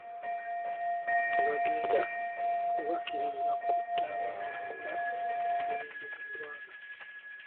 Tebagenda kubakkiriza kutabangula mirembe mugwagga.